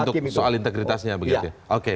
untuk soal integritasnya begitu ya